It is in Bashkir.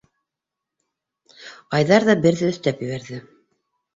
Айҙар ҙа берҙе өҫтәп ебәрҙе.